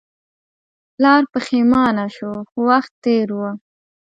پلار پښیمانه شو خو وخت تیر و.